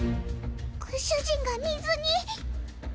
ご主人が水に！